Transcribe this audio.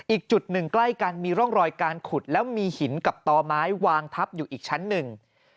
อีกจุดหนึ่งใกล้กันมีร่องรอยการขุดแล้วมีหินกับต่อไม้วางทับอยู่อีกชั้นหนึ่ง